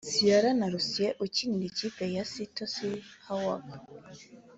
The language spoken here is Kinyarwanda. Ciara na Russell ukinira ikipe ya Seattle Seahawks